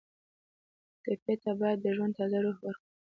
ټپي ته باید د ژوند تازه روح ورکړو.